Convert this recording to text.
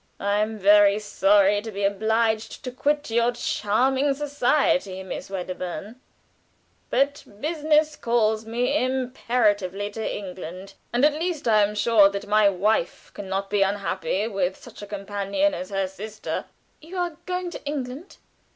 "I am very sorry to be obliged to quit your charming society, Miss Wedderburn, but business calls me imperatively to England; and, at least, I am sure that my wife can not be unhappy with such a companion as her sister." "You are going to England?"